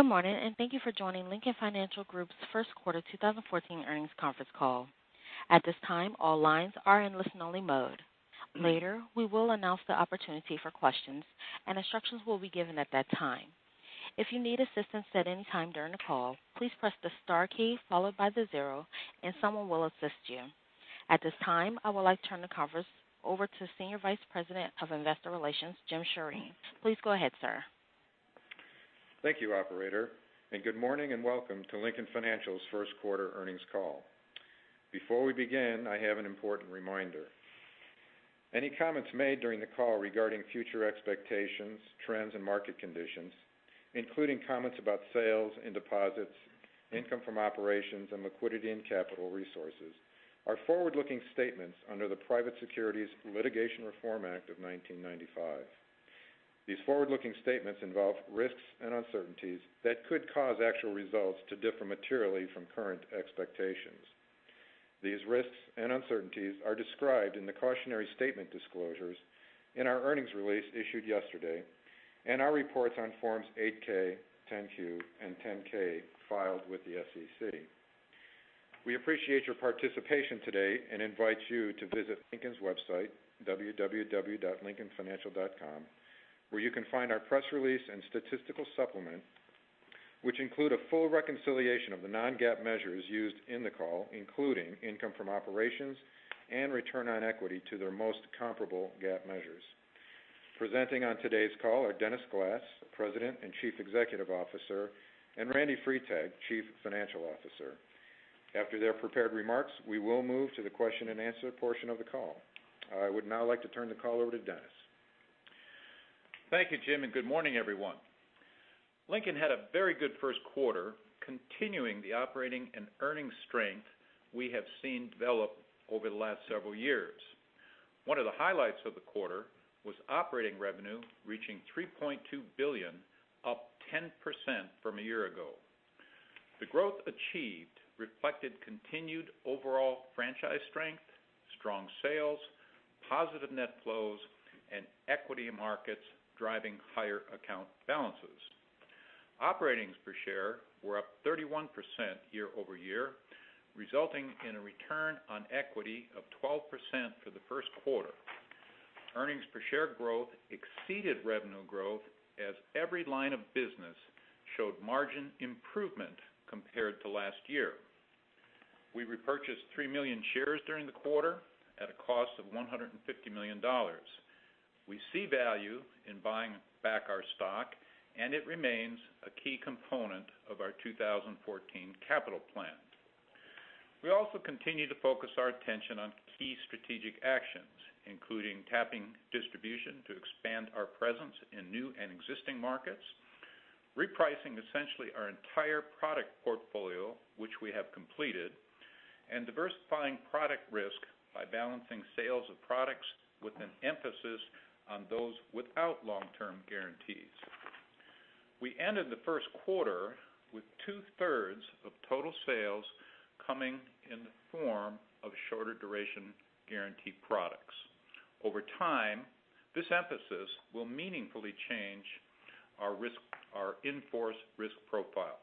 Good morning, and thank you for joining Lincoln Financial Group's first quarter 2014 earnings conference call. At this time, all lines are in listen-only mode. Later, we will announce the opportunity for questions, and instructions will be given at that time. If you need assistance at any time during the call, please press the star key followed by the zero, and someone will assist you. At this time, I would like to turn the conference over to Senior Vice President of Investor Relations, Jim Shirin. Please go ahead, sir. Thank you, operator, good morning, and welcome to Lincoln Financial's first quarter earnings call. Before we begin, I have an important reminder. Any comments made during the call regarding future expectations, trends, and market conditions, including comments about sales and deposits, income from operations, and liquidity and capital resources, are forward-looking statements under the Private Securities Litigation Reform Act of 1995. These forward-looking statements involve risks and uncertainties that could cause actual results to differ materially from current expectations. These risks and uncertainties are described in the cautionary statement disclosures in our earnings release issued yesterday, and our reports on Forms 8-K, 10-Q, and 10-K filed with the SEC. We appreciate your participation today and invite you to visit Lincoln's website, www.lincolnfinancial.com, where you can find our press release and statistical supplement, which include a full reconciliation of the non-GAAP measures used in the call, including income from operations and return on equity to their most comparable GAAP measures. Presenting on today's call are Dennis Glass, President and Chief Executive Officer, and Randy Freitag, Chief Financial Officer. After their prepared remarks, we will move to the question-and-answer portion of the call. I would now like to turn the call over to Dennis. Thank you, Jim, good morning, everyone. Lincoln had a very good first quarter, continuing the operating and earning strength we have seen develop over the last several years. One of the highlights of the quarter was operating revenue reaching $3.2 billion, up 10% from a year ago. The growth achieved reflected continued overall franchise strength, strong sales, positive net flows, and equity markets driving higher account balances. Earnings per share were up 31% year-over-year, resulting in a return on equity of 12% for the first quarter. Earnings per share growth exceeded revenue growth as every line of business showed margin improvement compared to last year. We repurchased 3 million shares during the quarter at a cost of $150 million. We see value in buying back our stock, and it remains a key component of our 2014 capital plan. We also continue to focus our attention on key strategic actions, including tapping distribution to expand our presence in new and existing markets, repricing essentially our entire product portfolio, which we have completed, and diversifying product risk by balancing sales of products with an emphasis on those without long-term guarantees. We ended the first quarter with two-thirds of total sales coming in the form of shorter duration guarantee products. Over time, this emphasis will meaningfully change our in-force risk profile.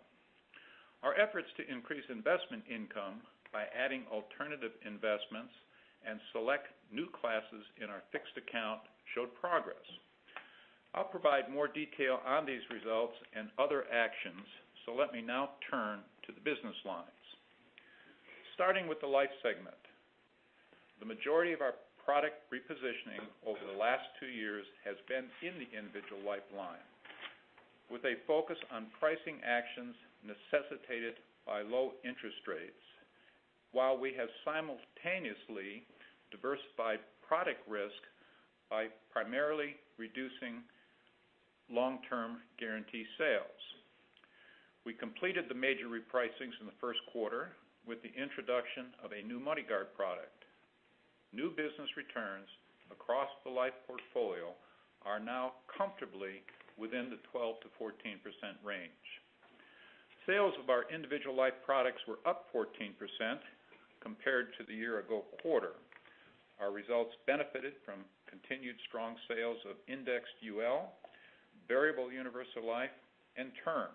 Our efforts to increase investment income by adding alternative investments and select new classes in our fixed account showed progress. I'll provide more detail on these results and other actions. Let me now turn to the business lines. Starting with the Life Segment. The majority of our product repositioning over the last two years has been in the individual life line, with a focus on pricing actions necessitated by low interest rates, while we have simultaneously diversified product risk by primarily reducing long-term guarantee sales. We completed the major repricings in the first quarter with the introduction of a new MoneyGuard product. New business returns across the life portfolio are now comfortably within the 12%-14% range. Sales of our individual life products were up 14% compared to the year ago quarter. Our results benefited from continued strong sales of Indexed UL, Variable Universal Life, and Term.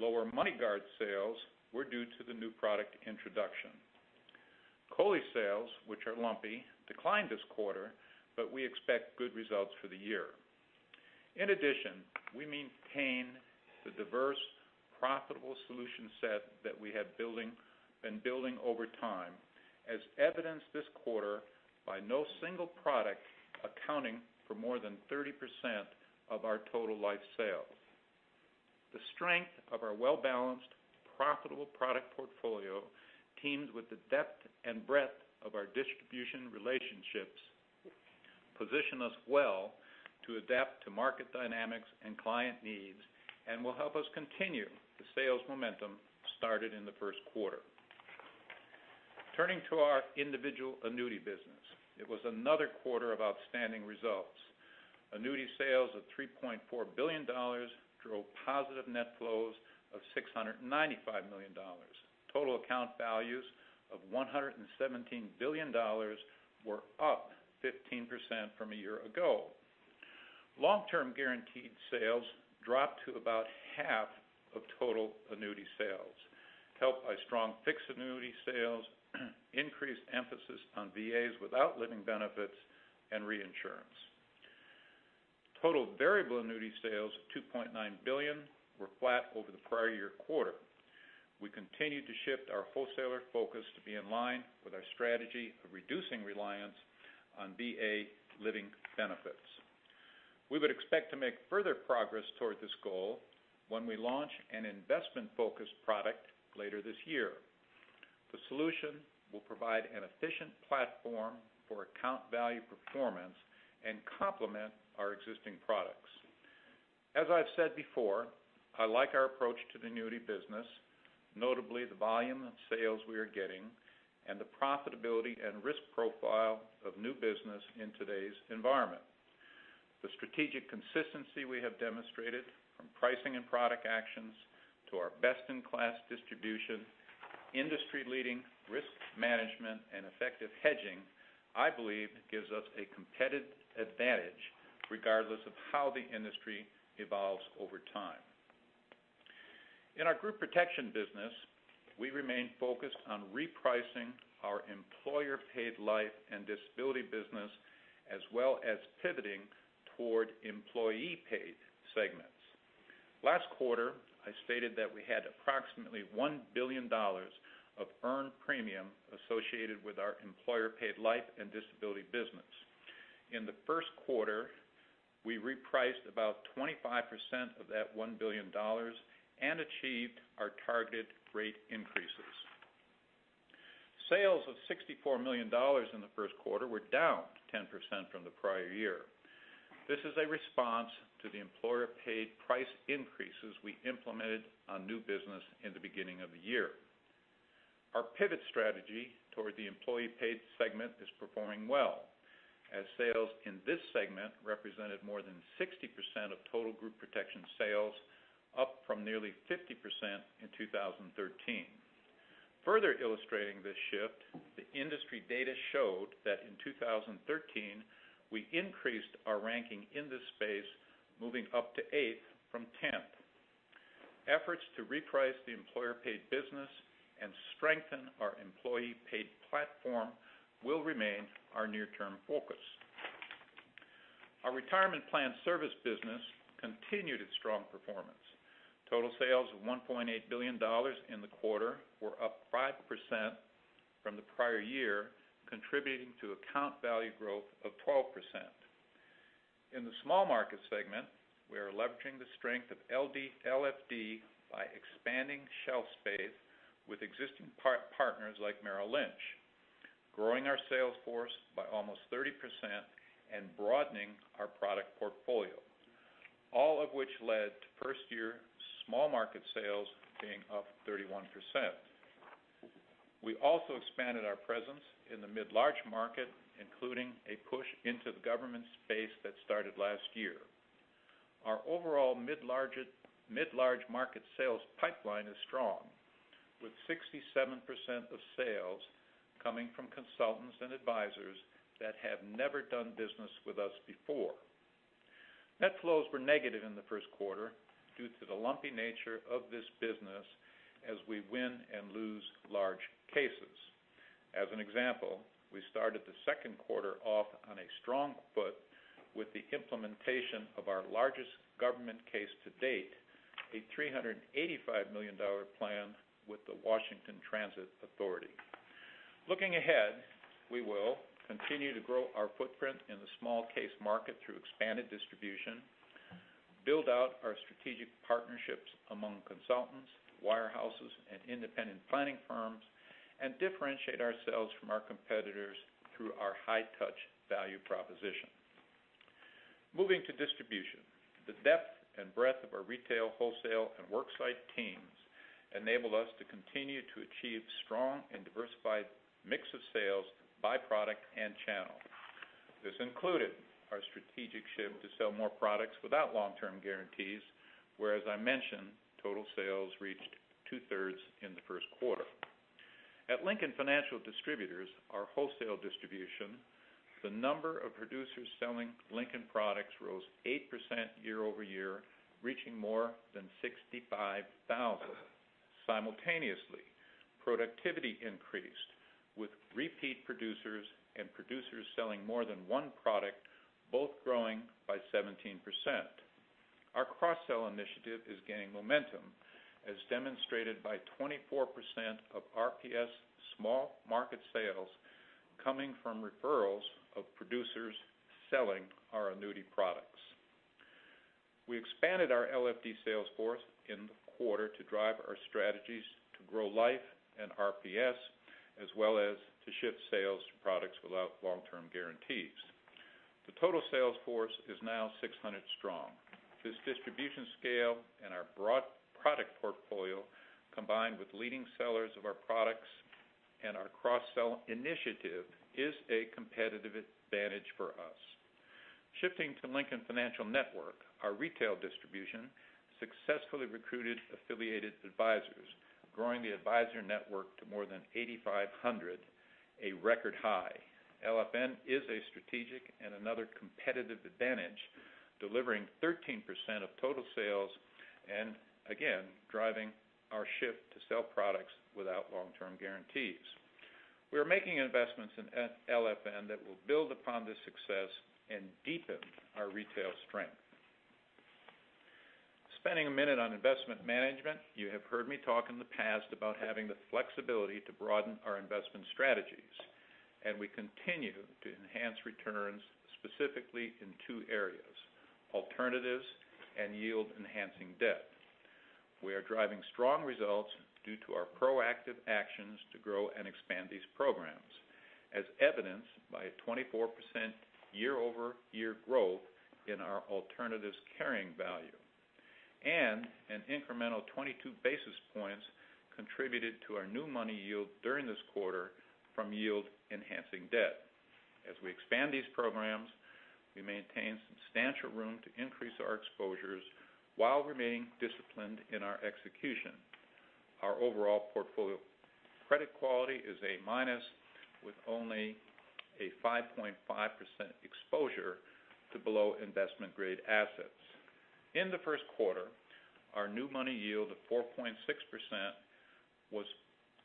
Lower MoneyGuard sales were due to the new product introduction. COLI sales, which are lumpy, declined this quarter. We expect good results for the year. In addition, we maintain the diverse, profitable solution set that we have been building over time, as evidenced this quarter by no single product accounting for more than 30% of our total life sales. The strength of our well-balanced, profitable product portfolio teams with the depth and breadth of our distribution relationships, position us well to adapt to market dynamics and client needs. It will help us continue the sales momentum started in the first quarter. Turning to our individual annuity business. It was another quarter of outstanding results. Annuity sales of $3.4 billion drove positive net flows of $695 million. Total account values of $117 billion were up 15% from a year ago. Long-term guaranteed sales dropped to about half of total annuity sales, helped by strong Fixed Annuity sales, increased emphasis on VAs without living benefits, and reinsurance. Total Variable Annuity sales of $2.9 billion were flat over the prior year quarter. We continued to shift our wholesaler focus to be in line with our strategy of reducing reliance on VA living benefits. We would expect to make further progress toward this goal when we launch an investment-focused product later this year. The solution will provide an efficient platform for account value performance and complement our existing products. As I've said before, I like our approach to the annuity business, notably the volume of sales we are getting and the profitability and risk profile of new business in today's environment. The strategic consistency we have demonstrated from pricing and product actions to our best-in-class distribution, industry-leading risk management, effective hedging, I believe gives us a competitive advantage regardless of how the industry evolves over time. In our group protection business, we remain focused on repricing our employer-paid life and disability business, as well as pivoting toward employee-paid segments. Last quarter, I stated that we had approximately $1 billion of earned premium associated with our employer-paid life and disability business. In the first quarter, we repriced about 25% of that $1 billion and achieved our targeted rate increases. Sales of $64 million in the first quarter were down 10% from the prior year. This is a response to the employer-paid price increases we implemented on new business in the beginning of the year. Our pivot strategy toward the employee-paid segment is performing well, as sales in this segment represented more than 60% of total group protection sales, up from nearly 50% in 2013. Further illustrating this shift, the industry data showed that in 2013, we increased our ranking in this space, moving up to eighth from tenth. Efforts to reprice the employer-paid business and strengthen our employee-paid platform will remain our near-term focus. Our retirement plan service business continued its strong performance. Total sales of $1.8 billion in the quarter were up 5% from the prior year, contributing to account value growth of 12%. In the small market segment, we are leveraging the strength of LFD by expanding shelf space with existing partners like Merrill Lynch, growing our sales force by almost 30%, and broadening our product portfolio. All of which led to first-year small market sales being up 31%. We also expanded our presence in the mid-large market, including a push into the government space that started last year. Our overall mid-large market sales pipeline is strong, with 67% of sales coming from consultants and advisors that have never done business with us before. Net flows were negative in the first quarter due to the lumpy nature of this business as we win and lose large cases. As an example, we started the second quarter off on a strong foot with the implementation of our largest government case to date, a $385 million plan with the Washington Transit Authority. Looking ahead, we will continue to grow our footprint in the small case market through expanded distribution, build out our strategic partnerships among consultants, wirehouses, and independent planning firms, and differentiate ourselves from our competitors through our high-touch value proposition. Moving to distribution. The depth and breadth of our retail, wholesale, and worksite teams enable us to continue to achieve strong and diversified mix of sales by product and channel. This included our strategic shift to sell more products without long-term guarantees, where, as I mentioned, total sales reached two-thirds in the first quarter. At Lincoln Financial Distributors, our wholesale distribution, the number of producers selling Lincoln products rose 8% year over year, reaching more than 65,000. Simultaneously, productivity increased, with repeat producers and producers selling more than one product, both growing by 17%. Our cross-sell initiative is gaining momentum, as demonstrated by 24% of RPS small market sales coming from referrals of producers selling our annuity products. We expanded our LFD sales force in the quarter to drive our strategies to grow Life and RPS, as well as to shift sales to products without long-term guarantees. The total sales force is now 600 strong. This distribution scale and our broad product portfolio, combined with leading sellers of our products and our cross-sell initiative, is a competitive advantage for us. Shifting to Lincoln Financial Network. Our retail distribution successfully recruited affiliated advisors, growing the advisor network to more than 8,500, a record high. LFN is a strategic and another competitive advantage, delivering 13% of total sales and again, driving our shift to sell products without long-term guarantees. We are making investments in LFN that will build upon this success and deepen our retail strength. Spending a minute on investment management, you have heard me talk in the past about having the flexibility to broaden our investment strategies, and we continue to enhance returns, specifically in two areas, alternatives and yield-enhancing debt. We are driving strong results due to our proactive actions to grow and expand these programs, as evidenced by a 24% year-over-year growth in our alternatives carrying value, and an incremental 22 basis points contributed to our new money yield during this quarter from yield-enhancing debt. As we expand these programs, we maintain substantial room to increase our exposures while remaining disciplined in our execution. Our overall portfolio credit quality is A- with only a 5.5% exposure to below investment-grade assets. In the first quarter, our new money yield of 4.6% was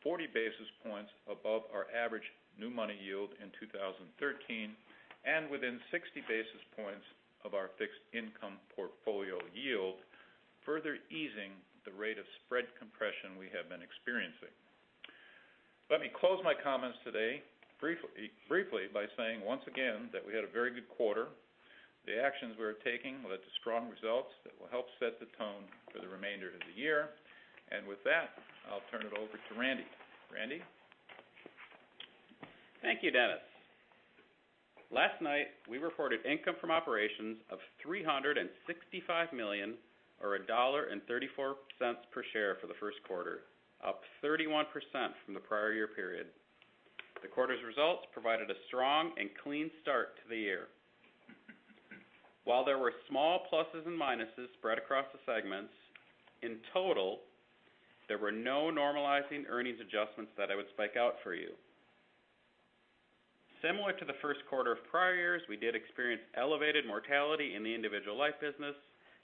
40 basis points above our average new money yield in 2013 and within 60 basis points of our fixed income portfolio yield, further easing the rate of spread compression we have been experiencing. Let me close my comments today briefly by saying once again that we had a very good quarter. The actions we are taking led to strong results that will help set the tone for the remainder of the year. With that, I'll turn it over to Randy. Randy? Thank you, Dennis. Last night, we reported income from operations of $365 million or $1.34 per share for the first quarter, up 31% from the prior year period. The quarter's results provided a strong and clean start to the year. While there were small pluses and minuses spread across the segments, in total, there were no normalizing earnings adjustments that I would spike out for you. Similar to the first quarter of prior years, we did experience elevated mortality in the individual life business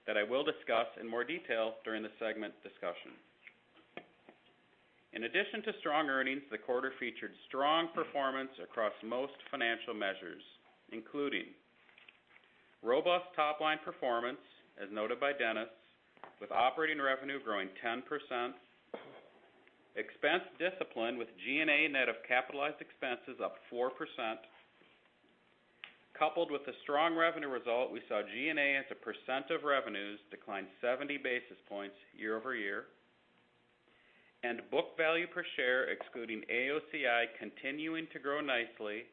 that I will discuss in more detail during the segment discussion. In addition to strong earnings, the quarter featured strong performance across most financial measures, including robust top-line performance, as noted by Dennis, with operating revenue growing 10%, expense discipline with G&A net of capitalized expenses up 4%. Coupled with the strong revenue result, we saw G&A as a percent of revenues decline 70 basis points year-over-year, and book value per share, excluding AOCI, continuing to grow nicely,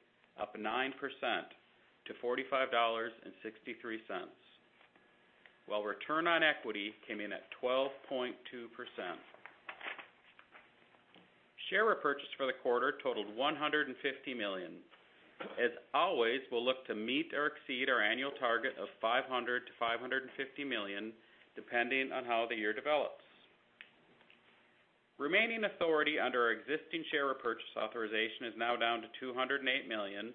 up 9% to $45.63, while return on equity came in at 12.2%. Share repurchase for the quarter totaled $150 million. As always, we'll look to meet or exceed our annual target of $500 million-$550 million, depending on how the year develops. Remaining authority under our existing share repurchase authorization is now down to $208 million.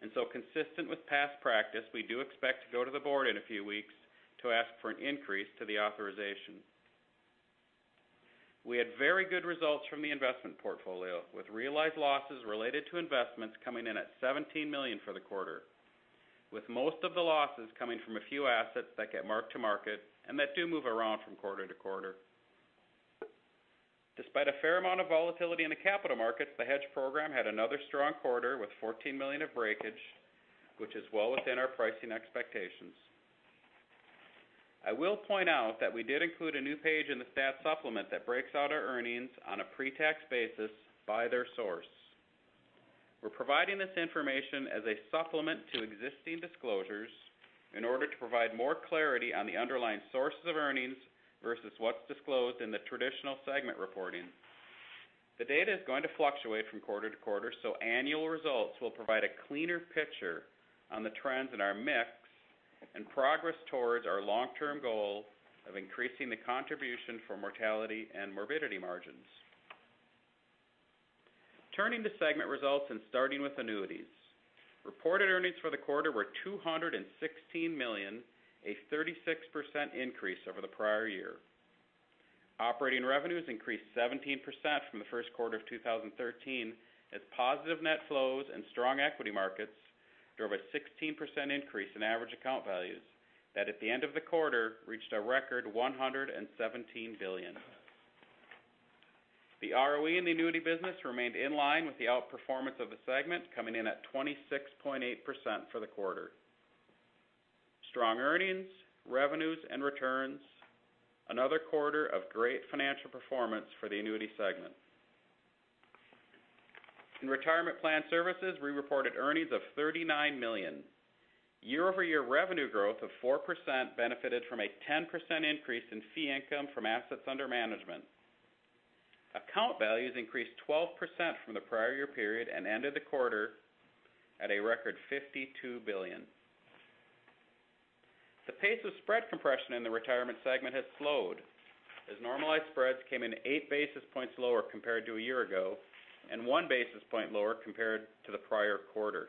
Consistent with past practice, we do expect to go to the board in a few weeks to ask for an increase to the authorization. We had very good results from the investment portfolio, with realized losses related to investments coming in at $17 million for the quarter, with most of the losses coming from a few assets that get marked to market and that do move around from quarter to quarter. Despite a fair amount of volatility in the capital markets, the hedge program had another strong quarter with $14 million of breakage, which is well within our pricing expectations. I will point out that we did include a new page in the stat supplement that breaks out our earnings on a pre-tax basis by their source. We're providing this information as a supplement to existing disclosures in order to provide more clarity on the underlying sources of earnings versus what's disclosed in the traditional segment reporting. The data is going to fluctuate from quarter to quarter. Annual results will provide a cleaner picture on the trends in our mix and progress towards our long-term goal of increasing the contribution for mortality and morbidity margins. Turning to segment results and starting with annuities. Reported earnings for the quarter were $216 million, a 36% increase over the prior year. Operating revenues increased 17% from the first quarter of 2013, as positive net flows and strong equity markets drove a 16% increase in average account values that at the end of the quarter reached a record $117 billion. The ROE in the annuity business remained in line with the outperformance of the segment, coming in at 26.8% for the quarter. Strong earnings, revenues, and returns, another quarter of great financial performance for the annuity segment. In retirement plan services, we reported earnings of $39 million. Year-over-year revenue growth of 4% benefited from a 10% increase in fee income from assets under management. Account values increased 12% from the prior year period and ended the quarter at a record $52 billion. The pace of spread compression in the retirement segment has slowed as normalized spreads came in eight basis points lower compared to a year ago and one basis point lower compared to the prior quarter.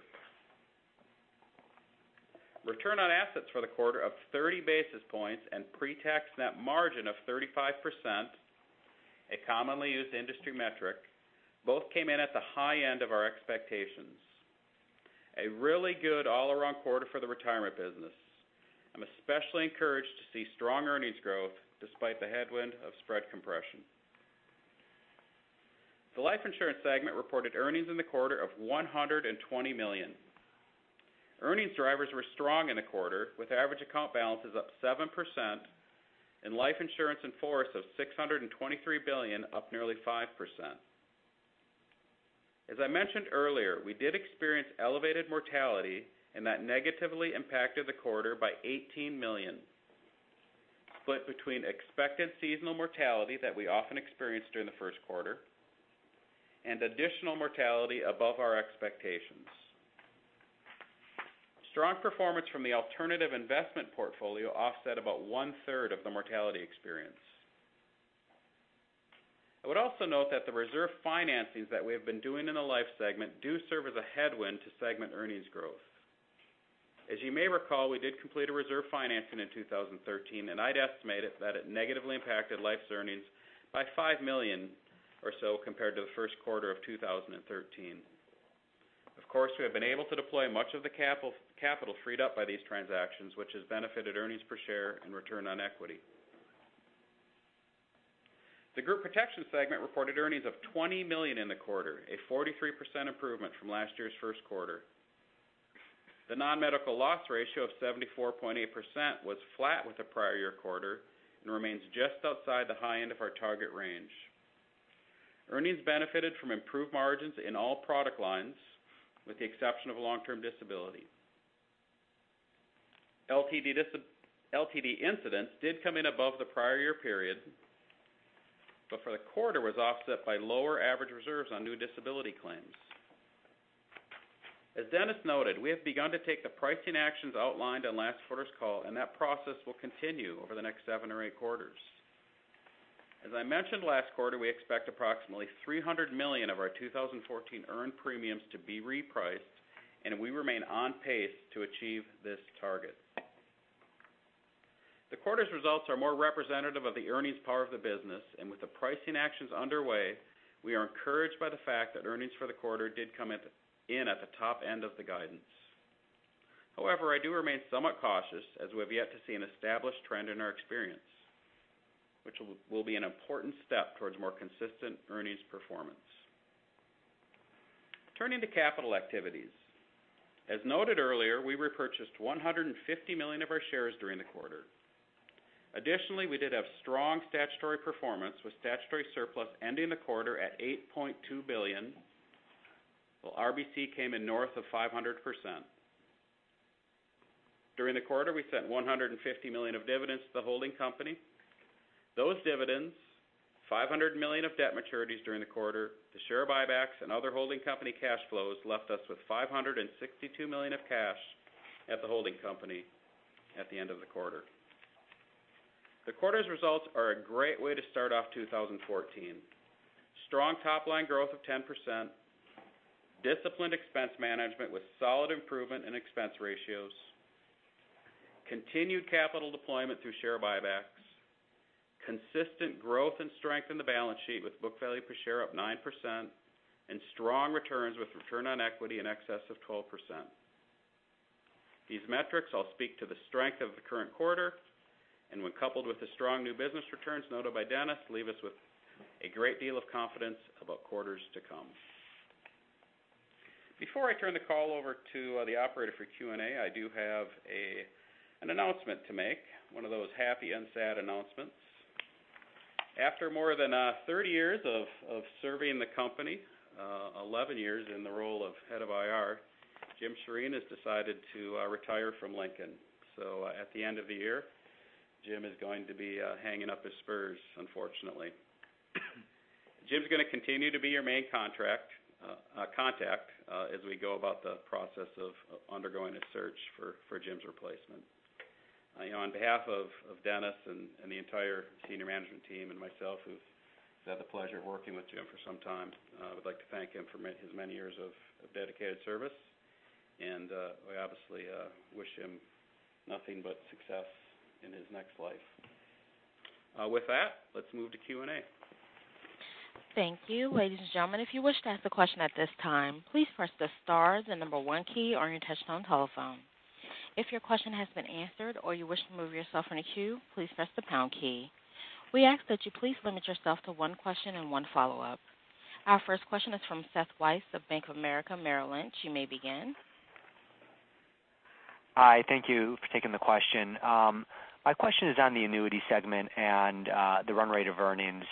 Return on assets for the quarter of 30 basis points and pre-tax profit margin of 35%, a commonly used industry metric, both came in at the high end of our expectations. A really good all-around quarter for the retirement business. I'm especially encouraged to see strong earnings growth despite the headwind of spread compression. The life insurance segment reported earnings in the quarter of $120 million. Earnings drivers were strong in the quarter, with average account balances up 7% and life insurance in force of $623 billion, up nearly 5%. As I mentioned earlier, we did experience elevated mortality, and that negatively impacted the quarter by $18 million, split between expected seasonal mortality that we often experience during the first quarter and additional mortality above our expectations. Strong performance from the alternative investment portfolio offset about one-third of the mortality experience. I would also note that the reserve financings that we have been doing in the life segment do serve as a headwind to segment earnings growth. As you may recall, we did complete a reserve financing in 2013, and I'd estimate that it negatively impacted life's earnings by $5 million or so compared to the first quarter of 2013. Of course, we have been able to deploy much of the capital freed up by these transactions, which has benefited earnings per share and return on equity. The group protection segment reported earnings of $20 million in the quarter, a 43% improvement from last year's first quarter. The non-medical loss ratio of 74.8% was flat with the prior year quarter and remains just outside the high end of our target range. Earnings benefited from improved margins in all product lines, with the exception of long-term disability. LTD incidents did come in above the prior year period. For the quarter was offset by lower average reserves on new disability claims. As Dennis noted, we have begun to take the pricing actions outlined on last quarter's call. That process will continue over the next seven or eight quarters. As I mentioned last quarter, we expect approximately $300 million of our 2014 earned premiums to be repriced. We remain on pace to achieve this target. The quarter's results are more representative of the earnings power of the business. With the pricing actions underway, we are encouraged by the fact that earnings for the quarter did come in at the top end of the guidance. However, I do remain somewhat cautious as we have yet to see an established trend in our experience, which will be an important step towards more consistent earnings performance. Turning to capital activities. As noted earlier, we repurchased $150 million of our shares during the quarter. Additionally, we did have strong statutory performance with statutory surplus ending the quarter at $8.2 billion, while RBC came in north of 500%. During the quarter, we sent $150 million of dividends to the holding company. Those dividends, $500 million of debt maturities during the quarter, the share buybacks, and other holding company cash flows left us with $562 million of cash at the holding company at the end of the quarter. The quarter's results are a great way to start off 2014. Strong top-line growth of 10%, disciplined expense management with solid improvement in expense ratios, continued capital deployment through share buybacks, consistent growth and strength in the balance sheet with book value per share up 9%. Strong returns with return on equity in excess of 12%. These metrics all speak to the strength of the current quarter. When coupled with the strong new business returns noted by Dennis, leave us with a great deal of confidence about quarters to come. Before I turn the call over to the operator for Q&A, I do have an announcement to make, one of those happy-unsad announcements. After more than 30 years of serving the company, 11 years in the role of head of IR, Jim Shirin has decided to retire from Lincoln. At the end of the year, Jim is going to be hanging up his spurs, unfortunately. Jim's going to continue to be your main contact as we go about the process of undergoing a search for Jim's replacement. On behalf of Dennis and the entire senior management team and myself, who've had the pleasure of working with Jim for some time, I would like to thank him for his many years of dedicated service. We obviously wish him nothing but success in his next life. With that, let's move to Q&A. Thank you. Ladies and gentlemen, if you wish to ask a question at this time, please press the star 1 key on your touchtone telephone. If your question has been answered or you wish to remove yourself from the queue, please press the pound key. We ask that you please limit yourself to one question and one follow-up. Our first question is from Seth Weiss of Bank of America Merrill Lynch. You may begin. Hi. Thank you for taking the question. My question is on the annuity segment and the run rate of earnings.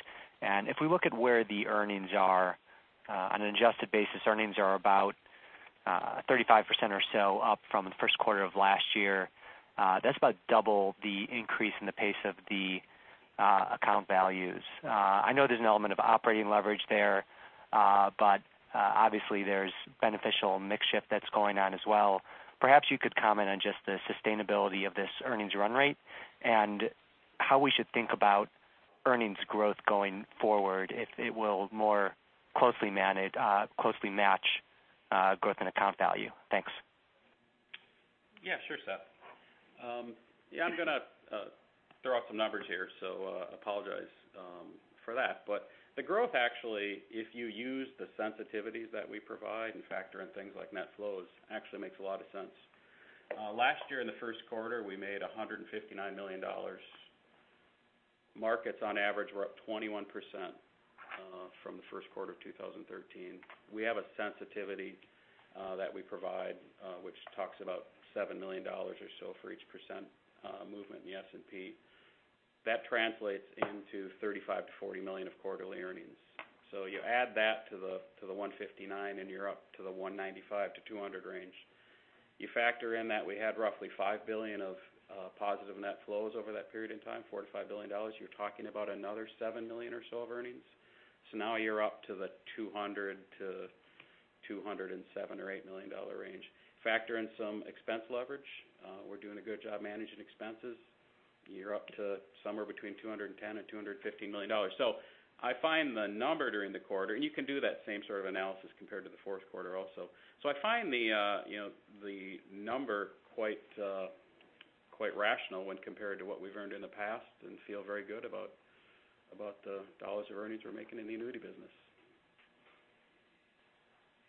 If we look at where the earnings are on an adjusted basis, earnings are about 35% or so up from the first quarter of last year. That's about double the increase in the pace of the account values. I know there's an element of operating leverage there, but obviously, there's beneficial mix shift that's going on as well. Perhaps you could comment on just the sustainability of this earnings run rate and how we should think about earnings growth going forward, if it will more closely match growth and account value. Thanks. Yeah, sure, Seth. I'm going to throw out some numbers here, so apologize for that. The growth actually, if you use the sensitivities that we provide and factor in things like net flows, actually makes a lot of sense. Last year in the first quarter, we made $159 million. Markets, on average, were up 21% from the first quarter of 2013. We have a sensitivity that we provide which talks about $7 million or so for each percent movement in the S&P. That translates into $35 million-$40 million of quarterly earnings. You add that to the $159, and you're up to the $195-$200 range. You factor in that we had roughly $5 billion of positive net flows over that period in time, $4 billion-$5 billion. You're talking about another $7 million or so of earnings. Now you're up to the $200-$207 or $8 million range. Factor in some expense leverage. We're doing a good job managing expenses. You're up to somewhere between $210 million-$215 million. I find the number during the quarter-- and you can do that same sort of analysis compared to the fourth quarter also. I find the number quite rational when compared to what we've earned in the past and feel very good about the dollars of earnings we're making in the annuity business.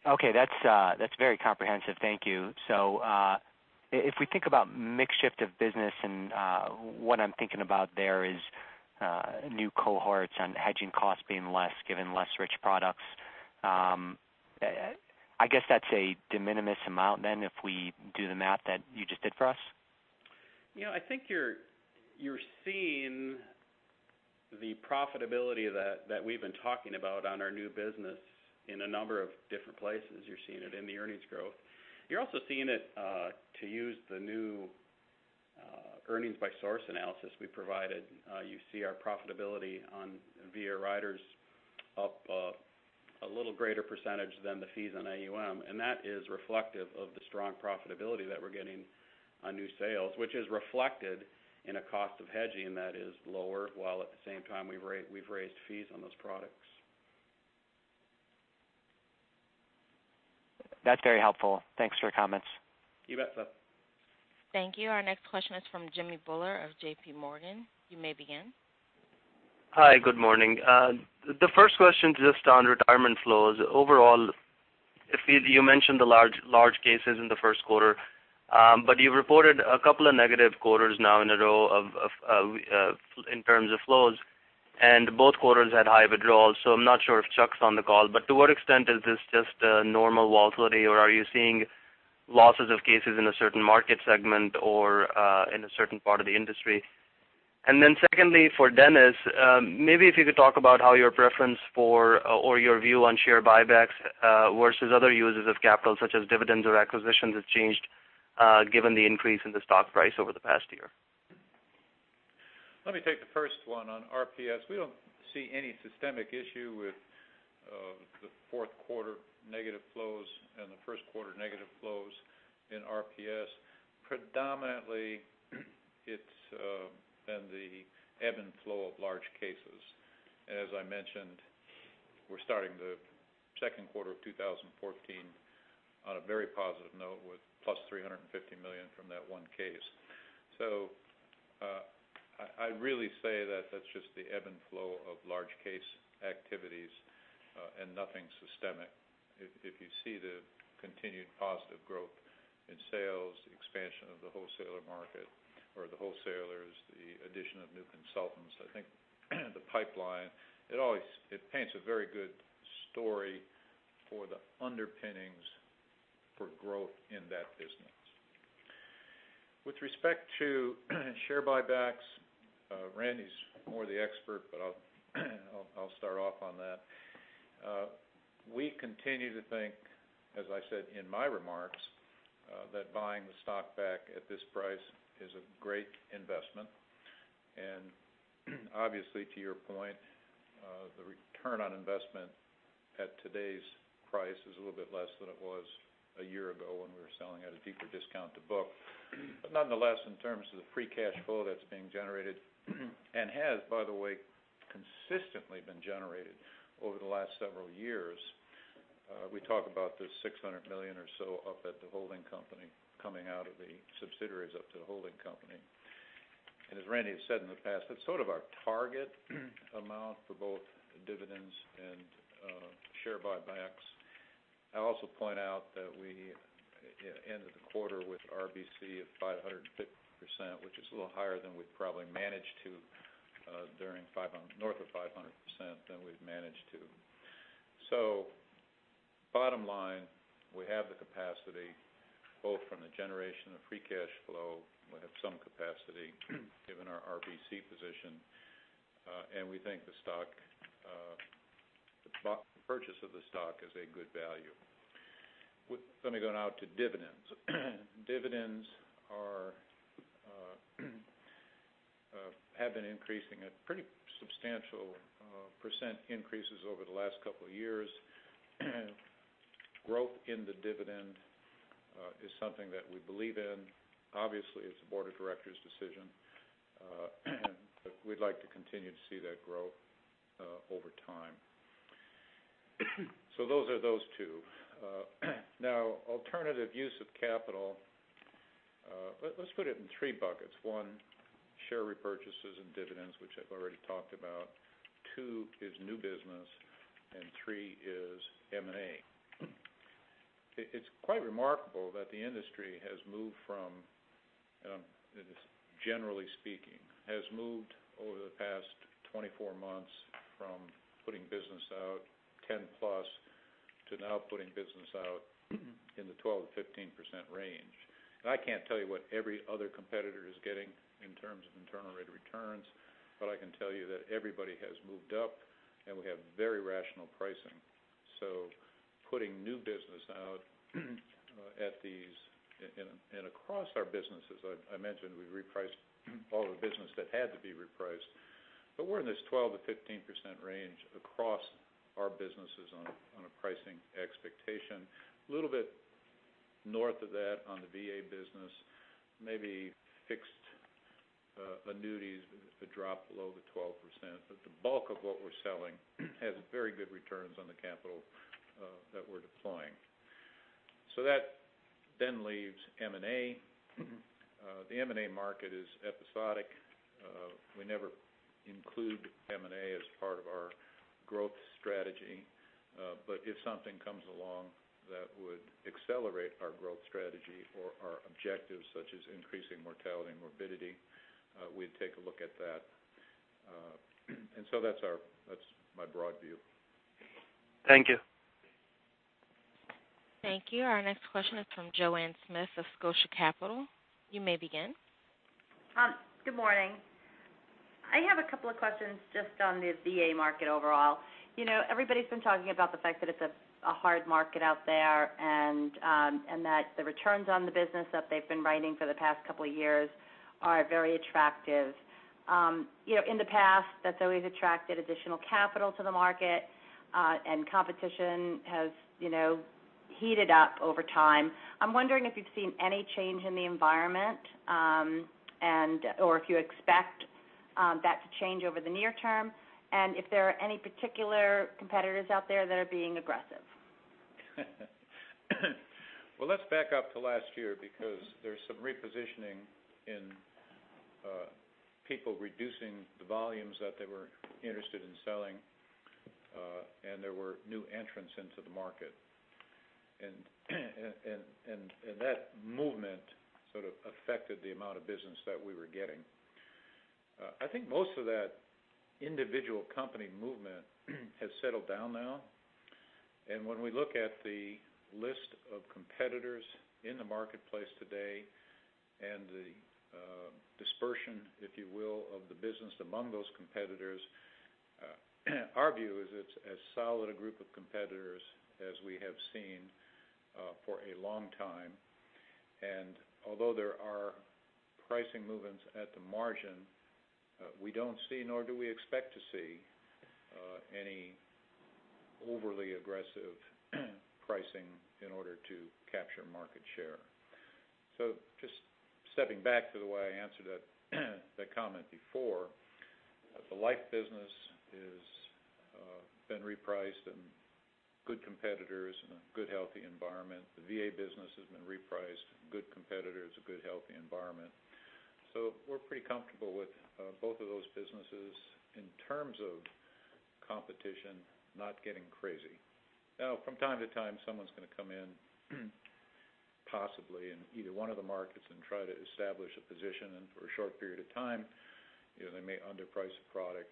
Okay. That's very comprehensive. Thank you. If we think about mix shift of business, and what I'm thinking about there is new cohorts on hedging costs being less, given less rich products. I guess that's a de minimis amount then if we do the math that you just did for us? I think you're seeing the profitability that we've been talking about on our new business in a number of different places. You're seeing it in the earnings growth. You're also seeing it to use the new earnings by source analysis we provided. You see our profitability via riders up a little greater % than the fees on AUM, and that is reflective of the strong profitability that we're getting on new sales, which is reflected in a cost of hedging that is lower, while at the same time we've raised fees on those products. That's very helpful. Thanks for your comments. You bet, Seth. Thank you. Our next question is from Jimmy Bhoola of JPMorgan. You may begin. Hi. Good morning. The first question, just on retirement flows. Overall, you mentioned the large cases in the first quarter. You reported a couple of negative quarters now in a row in terms of flows, and both quarters had high withdrawals. I'm not sure if Chuck's on the call, but to what extent is this just a normal volatility, or are you seeing losses of cases in a certain market segment or in a certain part of the industry? Secondly, for Dennis, maybe if you could talk about how your preference for, or your view on share buybacks versus other uses of capital, such as dividends or acquisitions, has changed given the increase in the stock price over the past year. Let me take the first one on RPS. We don't see any systemic issue with the fourth quarter negative flows and the first quarter negative flows in RPS. Predominantly, it's been the ebb and flow of large cases. As I mentioned, we're starting the second quarter of 2014 on a very positive note with plus $350 million from that one case. I'd really say that that's just the ebb and flow of large case activities and nothing systemic. If you see the continued positive growth in sales, expansion of the wholesaler market or the wholesalers, the addition of new consultants, I think the pipeline, it paints a very good story for the underpinnings for growth in that business. With respect to share buybacks, Randy's more the expert, but I'll start off on that. We continue to think, as I said in my remarks, that buying the stock back at this price is a great investment. Obviously, to your point, the return on investment at today's price is a little bit less than it was a year ago when we were selling at a deeper discount to book. Nonetheless, in terms of the free cash flow that's being generated and has, by the way, consistently been generated over the last several years, we talk about this $600 million or so up at the holding company coming out of the subsidiaries up to the holding company. As Randy has said in the past, that's sort of our target amount for both dividends and share buybacks. I'd also point out that we ended the quarter with RBC at 550%, which is a little higher than we've probably managed to north of 500% than we've managed to. Bottom line, we have the capacity both from the generation of free cash flow, we have some capacity given our RBC position. We think the purchase of the stock is a good value. Let me go now to dividends. Dividends have been increasing at pretty substantial % increases over the last couple of years. Growth in the dividend is something that we believe in. Obviously, it's the board of directors' decision, we'd like to continue to see that growth over time. Those are those two. Now, alternative use of capital. Let's put it in 3 buckets. 1, share repurchases and dividends, which I've already talked about. 2 is new business, 3 is M&A. It's quite remarkable that the industry has moved from, generally speaking, has moved over the past 24 months from putting business out 10-plus, to now putting business out in the 12%-15% range. I can't tell you what every other competitor is getting in terms of internal rate of returns, I can tell you that everybody has moved up, we have very rational pricing. Putting new business out at these, across our businesses, I mentioned we repriced all the business that had to be repriced, we're in this 12%-15% range across our businesses on a pricing expectation. A little bit north of that on the VA business, maybe Fixed Annuities have dropped below the 12%, the bulk of what we're selling has very good returns on the capital that we're deploying. That leaves M&A. The M&A market is episodic. We never include M&A as part of our growth strategy. If something comes along that would accelerate our growth strategy or our objectives, such as increasing mortality and morbidity, we'd take a look at that. That's my broad view. Thank you. Thank you. Our next question is from Joanne Smith of Scotia Capital. You may begin. Good morning. I have a couple of questions just on the VA market overall. Everybody's been talking about the fact that it's a hard market out there, and that the returns on the business that they've been writing for the past couple of years are very attractive. In the past, that's always attracted additional capital to the market, and competition has heated up over time. I'm wondering if you've seen any change in the environment, or if you expect that to change over the near term, and if there are any particular competitors out there that are being aggressive? Well, let's back up to last year, because there's some repositioning in people reducing the volumes that they were interested in selling, and there were new entrants into the market. That movement sort of affected the amount of business that we were getting. I think most of that individual company movement has settled down now, and when we look at the list of competitors in the marketplace today and the dispersion, if you will, of the business among those competitors, our view is it's as solid a group of competitors as we have seen for a long time. Although there are pricing movements at the margin, we don't see, nor do we expect to see, any overly aggressive pricing in order to capture market share. Just stepping back to the way I answered that comment before, the life business has been repriced, and good competitors in a good, healthy environment. The VA business has been repriced. Good competitors, a good, healthy environment. We're pretty comfortable with both of those businesses in terms of competition, not getting crazy. Now, from time to time, someone's going to come in, possibly in either one of the markets, and try to establish a position, and for a short period of time they may underprice a product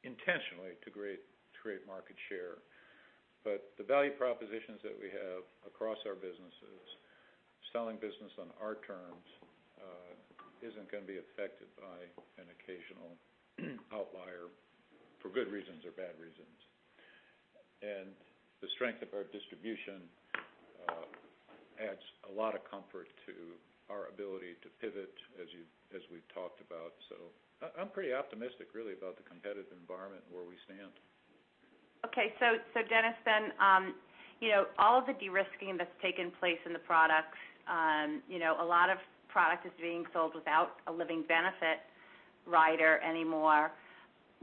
intentionally to create market share. The value propositions that we have across our businesses, selling business on our terms, isn't going to be affected by an occasional outlier for good reasons or bad reasons. The strength of our distribution adds a lot of comfort to our ability to pivot as we've talked about. I'm pretty optimistic, really, about the competitive environment and where we stand. Okay. Dennis, all of the de-risking that's taken place in the products, a lot of product is being sold without a living benefit rider anymore.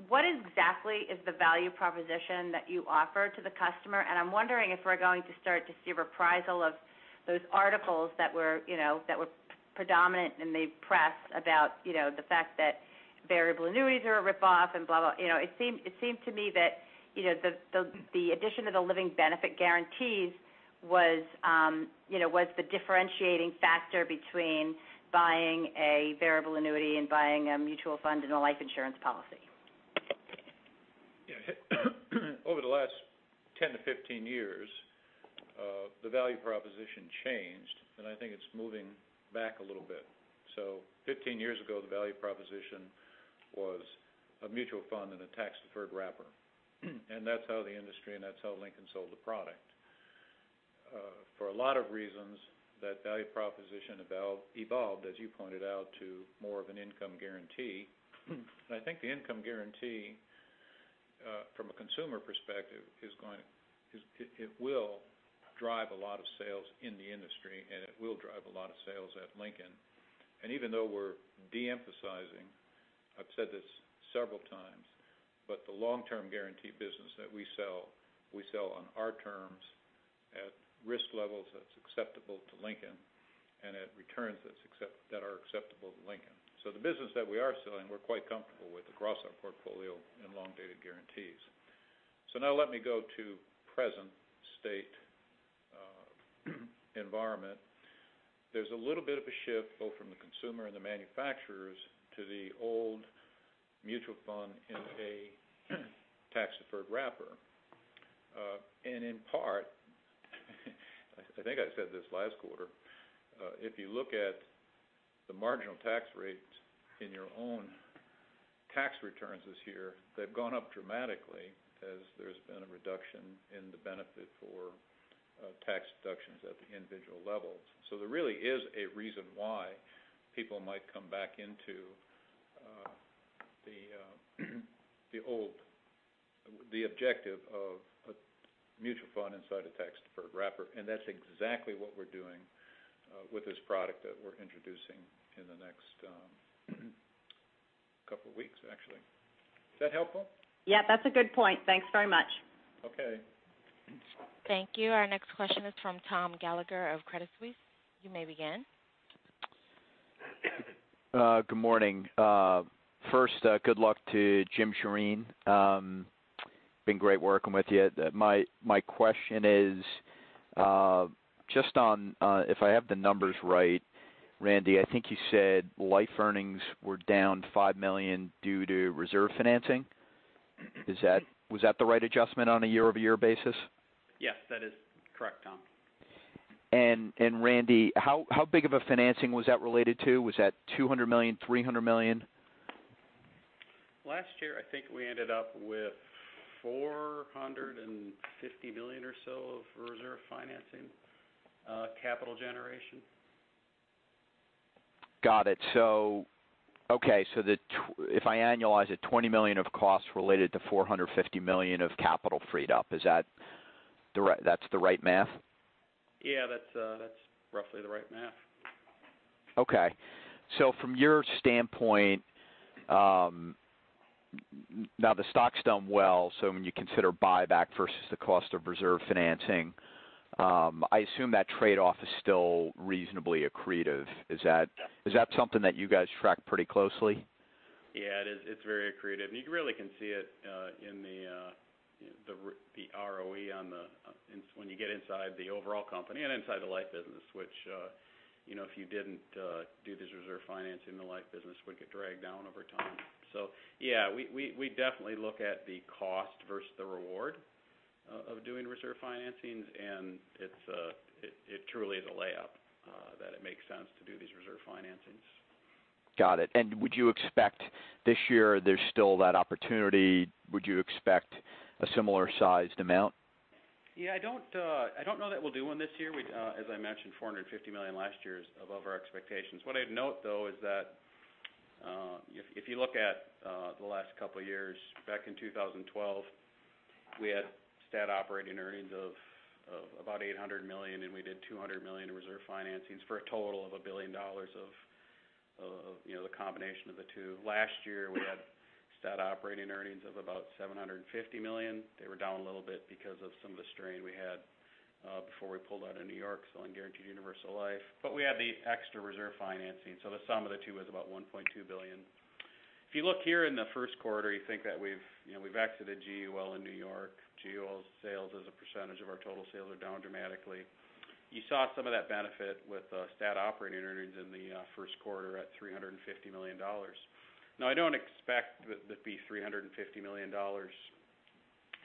What exactly is the value proposition that you offer to the customer? I'm wondering if we're going to start to see a reprisal of those articles that were predominant in the press about the fact that Variable Annuities are a rip-off and blah. It seemed to me that the addition of the living benefit guarantees was the differentiating factor between buying a Variable Annuity and buying a mutual fund and a life insurance policy. Yeah. Over the last 10 to 15 years the value proposition changed, and I think it's moving back a little bit. 15 years ago, the value proposition was a mutual fund in a tax-deferred wrapper. That's how the industry, and that's how Lincoln sold the product. For a lot of reasons, that value proposition evolved, as you pointed out, to more of an income guarantee. I think the income guarantee, from a consumer perspective, it will drive a lot of sales in the industry, and it will drive a lot of sales at Lincoln. Even though we're de-emphasizing, I've said this several times, but the long-term guarantee business that we sell, we sell on our terms at risk levels that's acceptable to Lincoln and at returns that are acceptable to Lincoln. The business that we are selling, we're quite comfortable with across our portfolio in long-dated guarantees. Now let me go to present state environment. There's a little bit of a shift, both from the consumer and the manufacturers, to the old mutual fund in a tax-deferred wrapper. In part, I think I said this last quarter, if you look at the marginal tax rates in your own tax returns this year, they've gone up dramatically as there's been a reduction in the benefit for tax deductions at the individual levels. There really is a reason why people might come back into the objective of a mutual fund inside a tax-deferred wrapper. That's exactly what we're doing with this product that we're introducing in the next couple of weeks, actually. Is that helpful? Yeah, that's a good point. Thanks very much. Okay. Thank you. Our next question is from Thomas Gallagher of Credit Suisse. You may begin. Good morning. First, good luck to Jim Shirin. Been great working with you. My question is, if I have the numbers right, Randy, I think you said life earnings were down $5 million due to reserve financing. Was that the right adjustment on a year-over-year basis? Yes, that is correct, Tom. Randy, how big of a financing was that related to? Was that $200 million, $300 million? Last year, I think we ended up with $450 million or so of reserve financing capital generation. Got it. If I annualize it, $20 million of costs related to $450 million of capital freed up. That's the right math? Yeah, that's roughly the right math. From your standpoint, now the stock's done well, when you consider buyback versus the cost of reserve financing, I assume that trade-off is still reasonably accretive. Is that something that you guys track pretty closely? Yeah, it is. It's very accretive. You really can see it in the ROE when you get inside the overall company and inside the life business, which if you didn't do this reserve financing, the life business would get dragged down over time. Yeah, we definitely look at the cost versus the reward of doing reserve financings, and it truly is a layup that it makes sense to do these reserve financings. Got it. Would you expect this year there's still that opportunity? Would you expect a similar sized amount? Yeah, I don't know that we'll do one this year. As I mentioned, $450 million last year is above our expectations. What I'd note, though, is that if you look at the last couple of years, back in 2012, we had stat operating earnings of about $800 million, we did $200 million in reserve financings for a total of $1 billion of the combination of the two. Last year, we had stat operating earnings of about $750 million. They were down a little bit because of some of the strain we had before we pulled out of N.Y. selling guaranteed universal life. We had the extra reserve financing. The sum of the two was about $1.2 billion. If you look here in the first quarter, you think that we've exited GUL in N.Y. GUL sales as a percentage of our total sales are down dramatically. You saw some of that benefit with stat operating earnings in the first quarter at $350 million. I don't expect that to be $350 million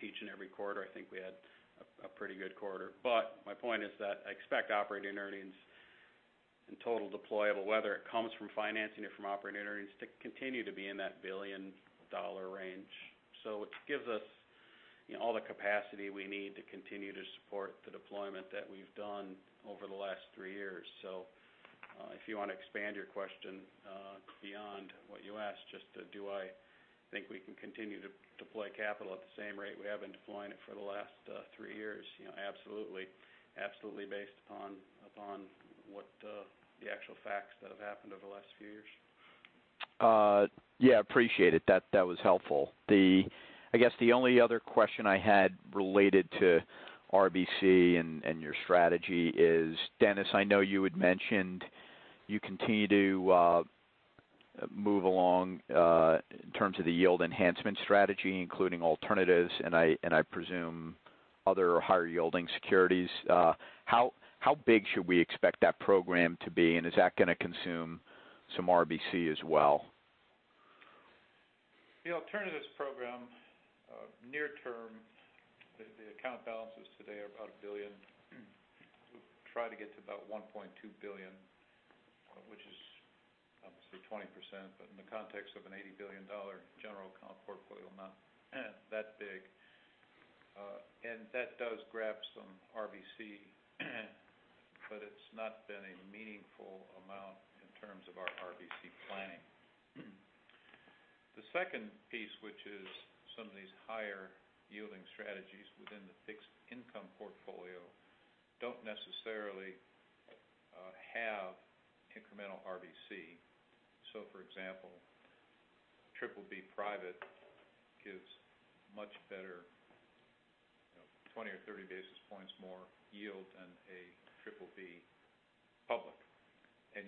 each and every quarter. I think we had a pretty good quarter. My point is that I expect operating earnings and total deployable, whether it comes from financing or from operating earnings, to continue to be in that billion-dollar range. It gives us all the capacity we need to continue to support the deployment that we've done over the last three years. If you want to expand your question beyond what you asked, just do I think we can continue to deploy capital at the same rate we have been deploying it for the last three years? Absolutely. Absolutely based upon what the actual facts that have happened over the last few years. Yeah, appreciate it. That was helpful. I guess the only other question I had related to RBC and your strategy is, Dennis, I know you had mentioned you continue to move along in terms of the yield enhancement strategy, including alternatives, and I presume other higher-yielding securities. How big should we expect that program to be? Is that going to consume some RBC as well? The alternatives program near term, the account balances today are about $1 billion. We try to get to about $1.2 billion, which is obviously 20%, but in the context of an $80 billion general account portfolio, not that big. That does grab some RBC, but it's not been a meaningful amount in terms of our RBC planning. The second piece, which is some of these higher-yielding strategies within the fixed income portfolio, don't necessarily have incremental RBC. For example, BBB private gives much better, 20 or 30 basis points more yield than a BBB public.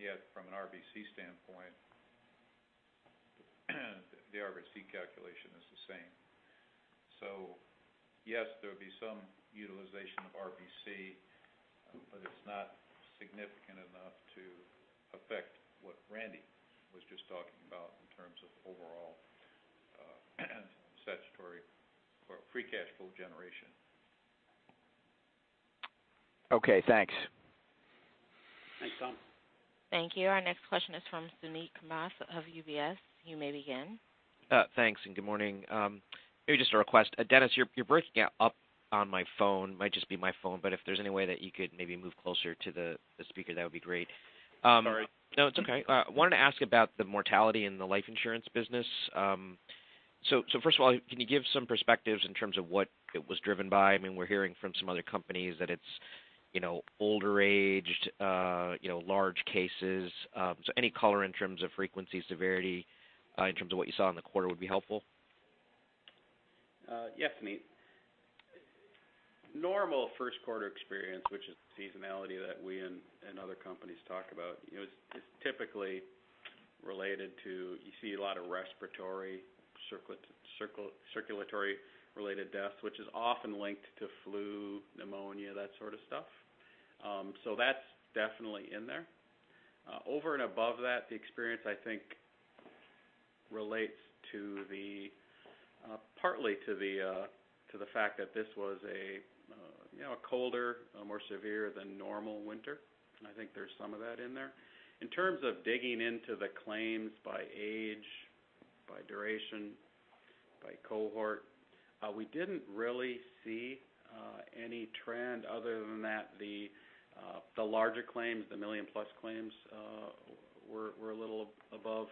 Yet from an RBC standpoint, the RBC calculation is the same. Yes, there would be some utilization of RBC, but it's not significant enough to affect what Randy was just talking about in terms of overall statutory or free cash flow generation. Okay, thanks. Thanks, Tom. Thank you. Our next question is from Suneet Kamath of UBS. You may begin. Thanks, good morning. Maybe just a request. Dennis, you're breaking up on my phone. Might just be my phone, but if there's any way that you could maybe move closer to the speaker, that would be great. Sorry. No, it's okay. I wanted to ask about the mortality in the life insurance business. First of all, can you give some perspectives in terms of what it was driven by? We're hearing from some other companies that it's older aged, large cases. Any color in terms of frequency, severity, in terms of what you saw in the quarter would be helpful. Yes, Suneet. Normal first quarter experience, which is the seasonality that we and other companies talk about. It's typically related to, you see a lot of respiratory, circulatory-related deaths, which is often linked to flu, pneumonia, that sort of stuff. That's definitely in there. Over and above that, the experience, I think, relates partly to the fact that this was a colder, more severe than normal winter. I think there's some of that in there. In terms of digging into the claims by age, by duration, by cohort, we didn't really see any trend other than that the larger claims, the million-plus claims, were a little above,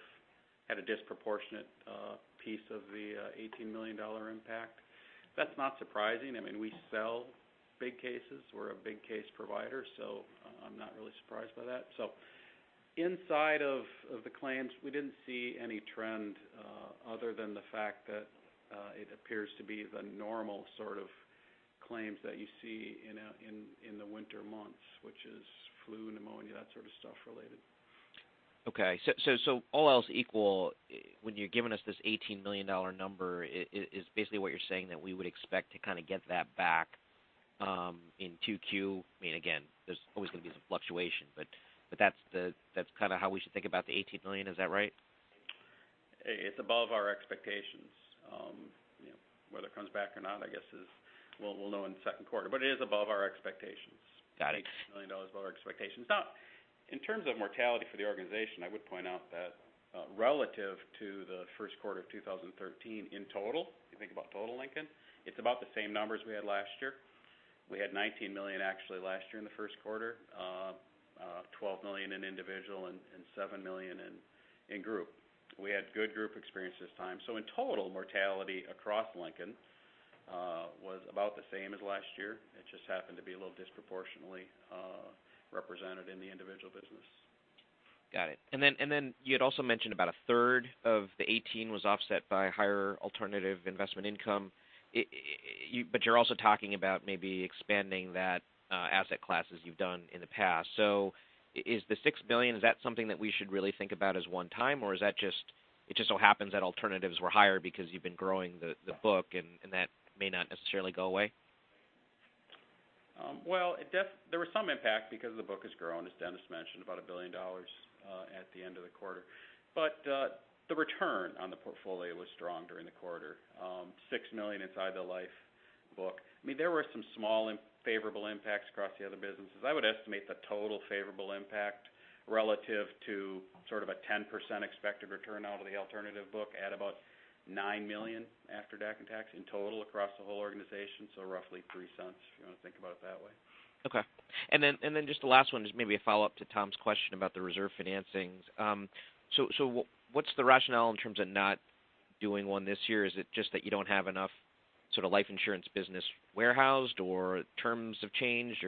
had a disproportionate piece of the $18 million impact. That's not surprising. We sell big cases. We're a big case provider, I'm not really surprised by that. Inside of the claims, we didn't see any trend other than the fact that it appears to be the normal sort of claims that you see in the winter months, which is flu, pneumonia, that sort of stuff related. Okay. All else equal, when you're giving us this $18 million number, is basically what you're saying that we would expect to kind of get that back in 2Q? Again, there's always going to be some fluctuation, but that's how we should think about the $18 million. Is that right? It's above our expectations. Whether it comes back or not, I guess we'll know in the second quarter, but it is above our expectations. Got it. $18 million above our expectations. In terms of mortality for the organization, I would point out that relative to the first quarter of 2013, in total, if you think about total Lincoln, it's about the same numbers we had last year. We had $19 million actually last year in the first quarter, $12 million in individual, and $7 million in group. We had good group experience this time. In total, mortality across Lincoln was about the same as last year. It just happened to be a little disproportionately represented in the individual business. Got it. You had also mentioned about a third of the 18 was offset by higher alternative investment income. You're also talking about maybe expanding that asset class as you've done in the past. Is the $6 billion, is that something that we should really think about as one-time, or it just so happens that alternatives were higher because you've been growing the book, and that may not necessarily go away? There was some impact because the book has grown, as Dennis mentioned, about $1 billion at the end of the quarter. The return on the portfolio was strong during the quarter. $6 million inside the life book. There were some small favorable impacts across the other businesses. I would estimate the total favorable impact relative to sort of a 10% expected return out of the alternative book at about $9 million after DAC and tax in total across the whole organization, so roughly $0.03, if you want to think about it that way. Okay. Just the last one, just maybe a follow-up to Tom's question about the reserve financings. What's the rationale in terms of not doing one this year? Is it just that you don't have enough life insurance business warehoused, or terms have changed?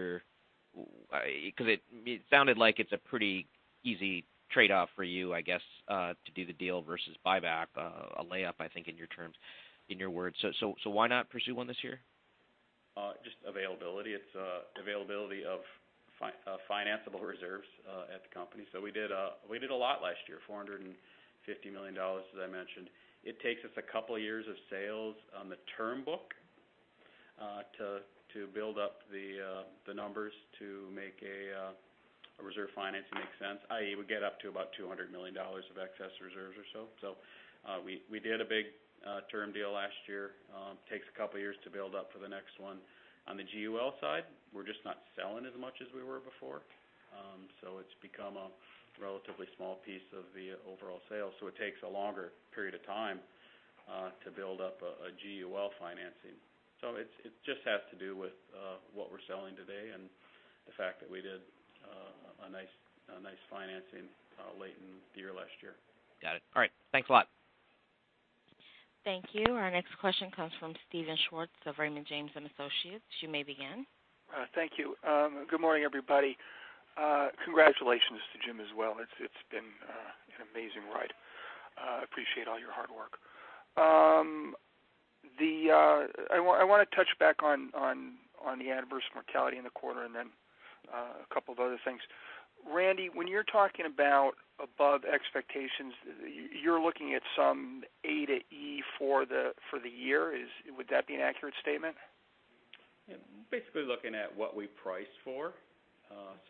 It sounded like it's a pretty easy trade-off for you, I guess, to do the deal versus buyback, a layup, I think in your terms, in your words. Why not pursue one this year? Just availability. It's availability of financeable reserves at the company. We did a lot last year, $450 million, as I mentioned. It takes us a couple of years of sales on the term book to build up the numbers to make a reserve financing make sense, i.e., we get up to about $200 million of excess reserves or so. We did a big term deal last year. Takes a couple of years to build up for the next one. On the GUL side, we're just not selling as much as we were before. It's become a relatively small piece of the overall sales, so it takes a longer period of time to build up a GUL financing. It just has to do with what we're selling today and the fact that we did a nice financing late in the year last year. Got it. All right, thanks a lot. Thank you. Our next question comes from Steven Schwartz of Raymond James & Associates. You may begin. Thank you. Good morning, everybody. Congratulations to Jim as well. It's been an amazing ride. Appreciate all your hard work. I want to touch back on the adverse mortality in the quarter and then a couple of other things. Randy, when you're talking about above expectations, you're looking at some A to E for the year. Would that be an accurate statement? Yeah. Basically looking at what we price for.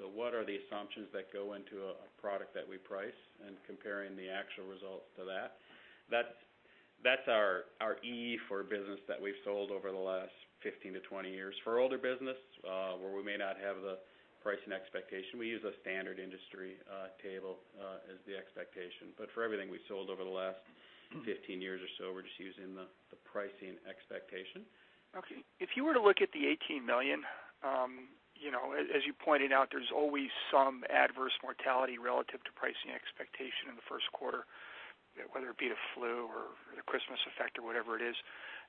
What are the assumptions that go into a product that we price and comparing the actual results to that. That's our E for business that we've sold over the last 15 to 20 years. For older business, where we may not have the pricing expectation, we use a standard industry table as the expectation. But for everything we've sold over the last 15 years or so, we're just using the pricing expectation. Okay. If you were to look at the $18 million, as you pointed out, there's always some adverse mortality relative to pricing expectation in the first quarter, whether it be the flu or the Christmas effect or whatever it is.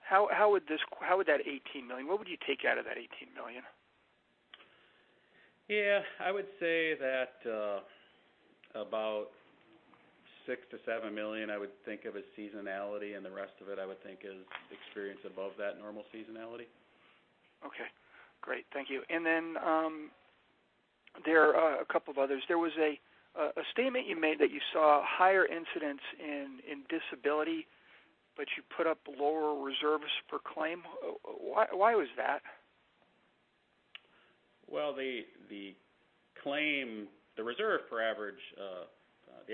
How would that $18 million, what would you take out of that $18 million? Yeah. I would say that about $6 million-$7 million, I would think of as seasonality, and the rest of it, I would think, is experience above that normal seasonality. Okay, great. Thank you. Then, there are a couple of others. There was a statement you made that you saw higher incidents in disability, but you put up lower reserves per claim. Why was that? Well, the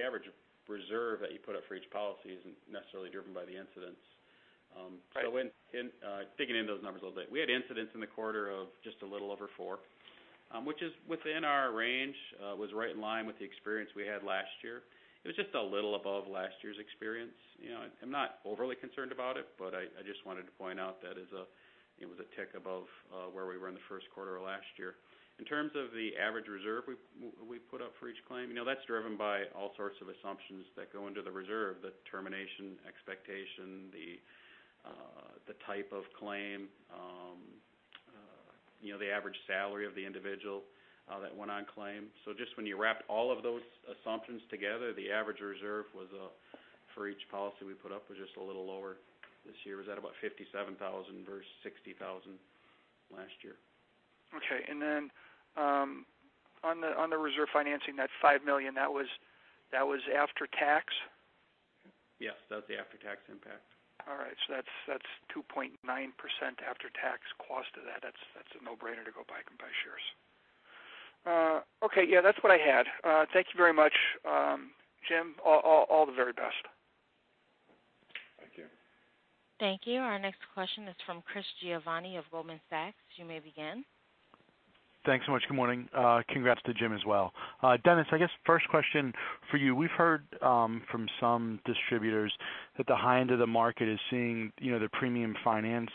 average reserve that you put up for each policy isn't necessarily driven by the incidents. Right. Digging into those numbers a little bit, we had incidents in the quarter of just a little over four, which is within our range. It was right in line with the experience we had last year. It was just a little above last year's experience. I'm not overly concerned about it, but I just wanted to point out that it was a tick above where we were in the first quarter of last year. In terms of the average reserve we put up for each claim, that's driven by all sorts of assumptions that go into the reserve, the termination expectation, the type of claim, the average salary of the individual that went on claim. Just when you wrap all of those assumptions together, the average reserve for each policy we put up was just a little lower this year. It was at about $57,000 versus $60,000 last year. Okay. On the reserve financing, that $5 million, that was after tax? Yes, that's the after-tax impact. All right. That's 2.9% after-tax cost to that. That's a no-brainer to go back and buy shares. Okay. Yeah, that's what I had. Thank you very much. Jim, all the very best. Thank you. Thank you. Our next question is from Chris Giovanni of Goldman Sachs. You may begin. Thanks so much. Good morning. Congrats to Jim as well. Dennis, I guess first question for you. We've heard from some distributors that the high end of the market is seeing the premium finance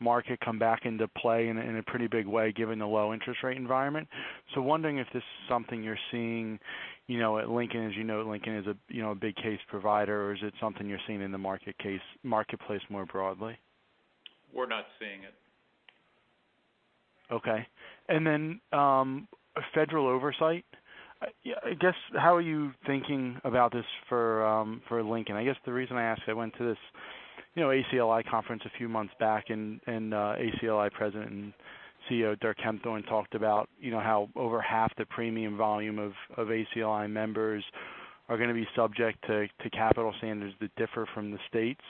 market come back into play in a pretty big way given the low interest rate environment. Wondering if this is something you're seeing at Lincoln, as you know, Lincoln is a big case provider, or is it something you're seeing in the marketplace more broadly? We're not seeing it. Okay. Then, federal oversight. I guess, how are you thinking about this for Lincoln? I guess the reason I ask, I went to this ACLI conference a few months back. ACLI president and CEO, Dirk Kempthorne, talked about how over half the premium volume of ACLI members are going to be subject to capital standards that differ from the states,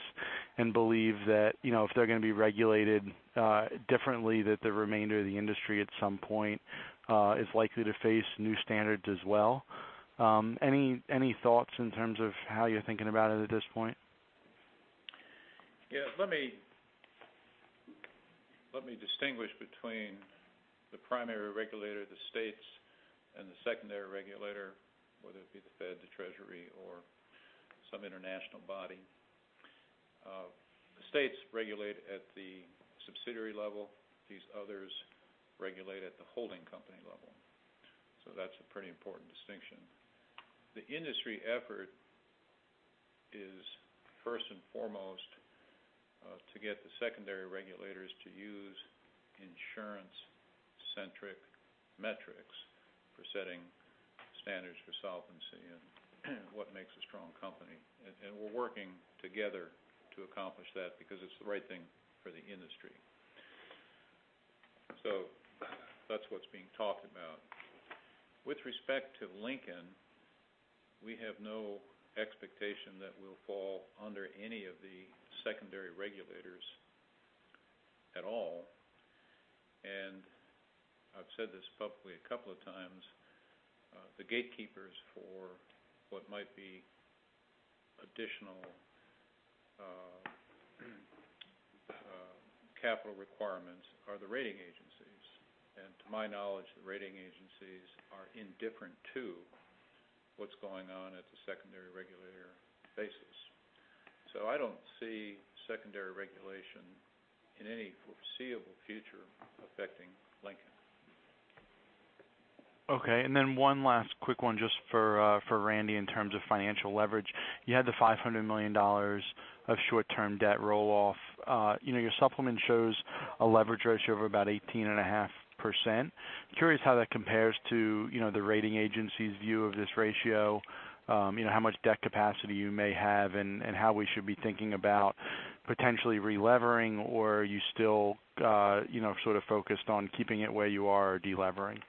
believe that if they're going to be regulated differently, that the remainder of the industry at some point is likely to face new standards as well. Any thoughts in terms of how you're thinking about it at this point? Let me distinguish between the primary regulator, the states, and the secondary regulator, whether it be the Fed, the Treasury, or some international body. The states regulate at the subsidiary level. These others regulate at the holding company level. That's a pretty important distinction. The industry effort is first and foremost to get the secondary regulators to use insurance-centric metrics for setting standards for solvency and what makes a strong company. We're working together to accomplish that because it's the right thing for the industry. That's what's being talked about. With respect to Lincoln We have no expectation that we'll fall under any of the secondary regulators at all. I've said this publicly a couple of times, the gatekeepers for what might be additional capital requirements are the rating agencies. To my knowledge, the rating agencies are indifferent to what's going on at the secondary regulator basis. I don't see secondary regulation in any foreseeable future affecting Lincoln. Okay. One last quick one just for Randy in terms of financial leverage. You had the $500 million of short-term debt roll-off. Your supplement shows a leverage ratio of about 18.5%. Curious how that compares to the rating agency's view of this ratio, how much debt capacity you may have, and how we should be thinking about potentially relevering, or are you still focused on keeping it where you are or de-levering?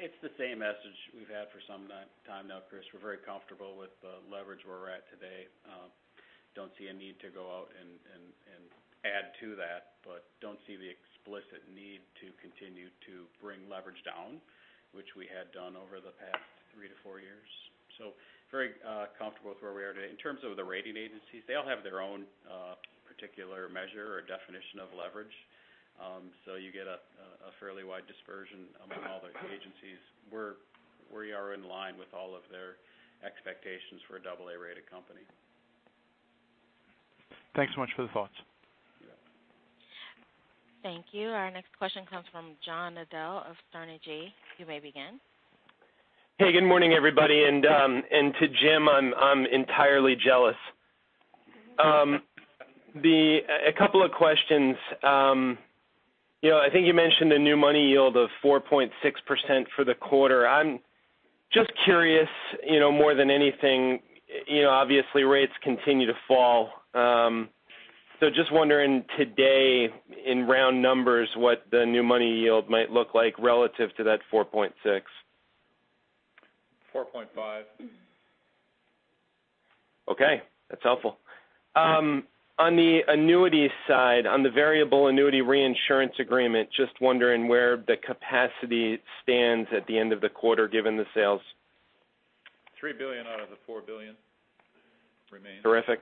It's the same message we've had for some time now, Chris. We're very comfortable with the leverage we're at today. Don't see a need to go out and add to that, but don't see the explicit need to continue to bring leverage down, which we had done over the past three to four years. Very comfortable with where we are today. In terms of the rating agencies, they all have their own particular measure or definition of leverage. You get a fairly wide dispersion among all the agencies. We are in line with all of their expectations for a double A-rated company. Thanks so much for the thoughts. Yeah. Thank you. Our next question comes from John Nadel of Strategas. You may begin. Hey, good morning, everybody. To Jim, I'm entirely jealous. A couple of questions. I think you mentioned a new money yield of 4.6% for the quarter. I'm just curious more than anything, obviously rates continue to fall. Just wondering today in round numbers, what the new money yield might look like relative to that 4.6? 4.5. Okay. That's helpful. On the annuity side, on the Variable Annuity reinsurance agreement, just wondering where the capacity stands at the end of the quarter, given the sales. $3 billion out of the $4 billion remains. Terrific.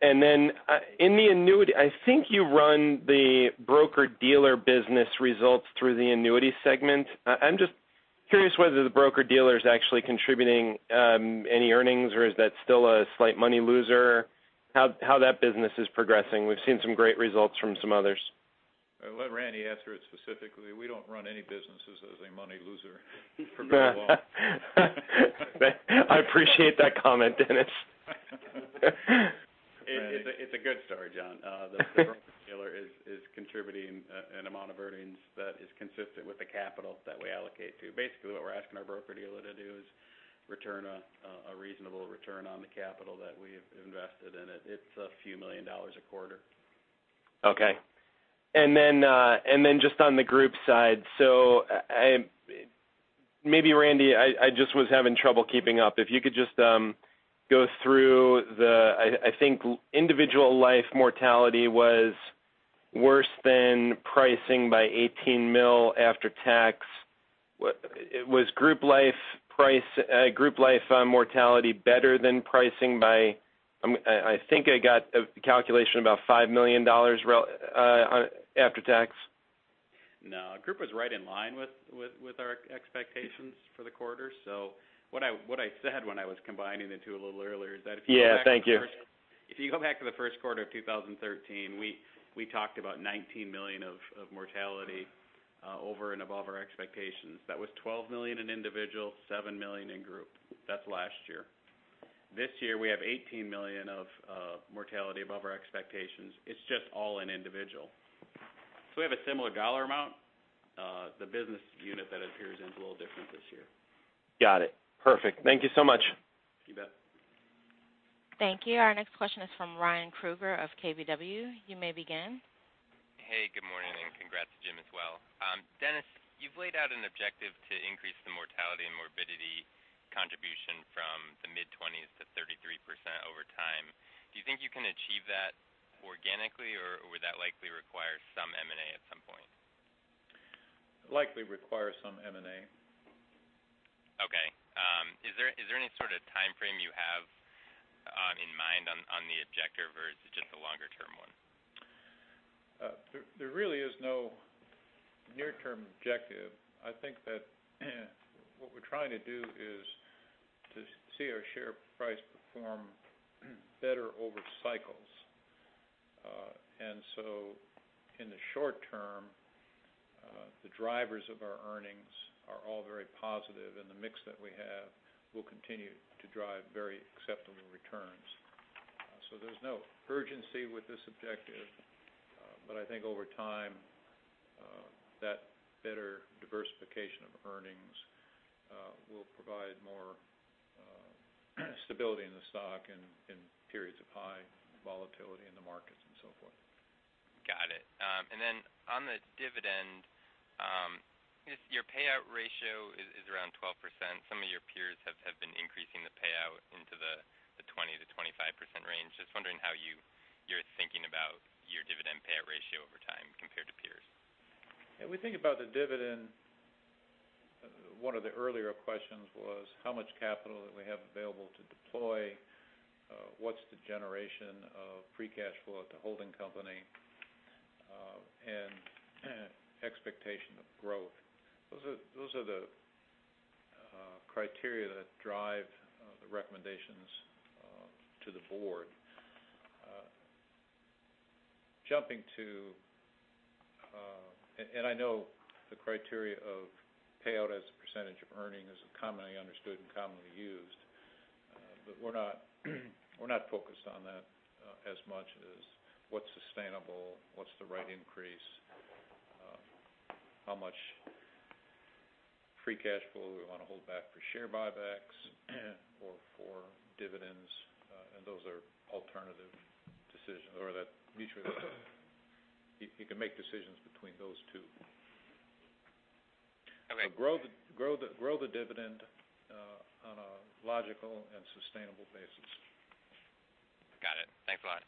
Then in the annuity, I think you run the broker-dealer business results through the annuity segment. I'm just curious whether the broker-dealer is actually contributing any earnings or is that still a slight money loser? How that business is progressing. We've seen some great results from some others. I'll let Randy answer it specifically. We don't run any businesses as a money loser for very long. I appreciate that comment, Dennis. It's a good story, John. The broker-dealer is contributing an amount of earnings that is consistent with the capital that we allocate to. Basically, what we're asking our broker-dealer to do is return a reasonable return on the capital that we've invested in it. It's a few million dollars a quarter. Okay. Just on the group side. Maybe Randy, I just was having trouble keeping up. If you could just go through the, I think individual life mortality was worse than pricing by $18 million after tax. Was group life mortality better than pricing by, I think I got a calculation about $5 million after tax. No, group was right in line with our expectations for the quarter. What I said when I was combining the two a little earlier is that if you go back to the. Yeah. Thank you. If you go back to the first quarter of 2013, we talked about $19 million of mortality over and above our expectations. That was $12 million in individual, $7 million in group. That's last year. This year, we have $18 million of mortality above our expectations. It's just all in individual. We have a similar dollar amount. The business unit that appears in it a little different this year. Got it. Perfect. Thank you so much. You bet. Thank you. Our next question is from Ryan Krueger of KBW. You may begin. Hey, good morning, congrats to Jim as well. Dennis, you've laid out an objective to increase the mortality and morbidity contribution from the mid-20s to 33% over time. Do you think you can achieve that organically or would that likely require some M&A at some point? Likely require some M&A. Okay. Is there any sort of timeframe you have in mind on the objective or is it just a longer-term one? There really is no near-term objective. I think that what we're trying to do is to see our share price perform better over cycles. In the short term, the drivers of our earnings are all very positive and the mix that we have will continue to drive very acceptable returns. There's no urgency with this objective. I think over time, that better diversification of earnings will provide more stability in the stock in periods of high volatility in the markets and so forth. On the dividend, your payout ratio is around 12%. Some of your peers have been increasing the payout into the 20%-25% range. Just wondering how you're thinking about your dividend payout ratio over time compared to peers. Yeah. We think about the dividend. One of the earlier questions was how much capital that we have available to deploy, what's the generation of free cash flow at the holding company, and expectation of growth. Those are the criteria that drive the recommendations to the board. I know the criteria of payout as a percentage of earnings is commonly understood and commonly used, but we're not focused on that as much as what's sustainable, what's the right increase, how much free cash flow we want to hold back for share buybacks or for dividends. Those are alternative decisions. You can make decisions between those two. Okay. Grow the dividend on a logical and sustainable basis. Got it. Thanks a lot.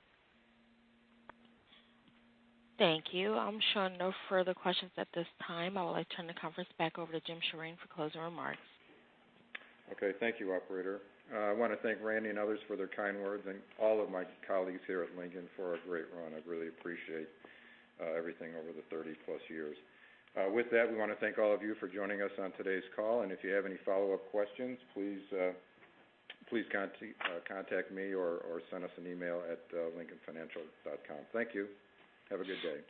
Thank you. I'm showing no further questions at this time. I would like to turn the conference back over to Jim Shirin for closing remarks. Okay. Thank you, operator. I want to thank Randy and others for their kind words and all of my colleagues here at Lincoln for a great run. I really appreciate everything over the 30-plus years. With that, we want to thank all of you for joining us on today's call. If you have any follow-up questions, please contact me or send us an email at lincolnfinancial.com. Thank you. Have a good day.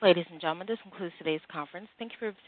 Ladies and gentlemen, this concludes today's conference. Thank you for-